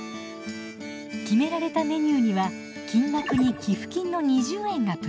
決められたメニューには金額に寄付金の２０円がプラスされています。